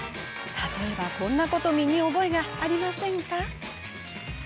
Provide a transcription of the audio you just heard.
例えば、こんなこと身に覚えがありませんか？